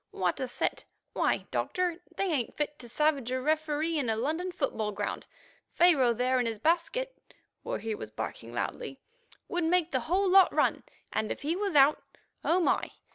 what a set. Why, Doctor, they ain't fit to savage a referee in a London football ground. Pharaoh there in his basket (where he was barking loudly) would make the whole lot run, and if he was out—oh my!